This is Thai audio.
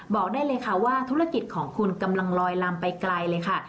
บอกได้เลยค่ะว่าธุรกิจของคุณกำลังลอยลำไปไกลเลยค่ะ